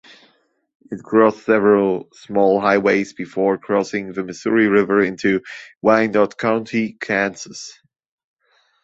It crossed several small highways before crossing the Missouri River into Wyandotte County, Kansas.